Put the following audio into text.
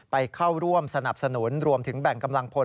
ไปเข้าร่วมสนับสนุนรวมถึงแบ่งกำลังพล